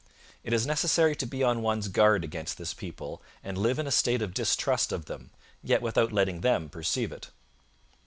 It is necessary to be on one's guard against this people and live in a state of distrust of them, yet without letting them perceive it.